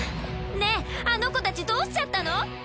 ねぇあの子たちどうしちゃったの？